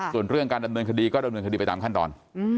ส่วนเรื่องการดำเนินคดีก็ดำเนินคดีไปตามขั้นตอน